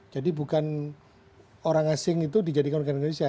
jadi bukan orang asing itu dijadikan warga negara indonesia